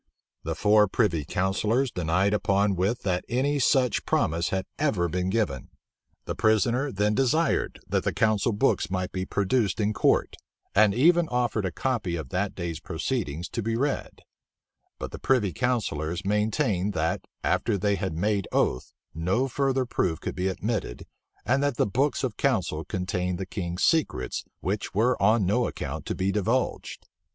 The four privy counsellors denied upon with that any such promise had ever been given. The prisoner then desired that the council books might be produced in court, and even offered a copy of that day's proceedings to be read; but the privy counsellors maintained, that, after they had made oath, no further proof could be admitted, and that the books of council contained the king's secrets, which were on no account to be divulged.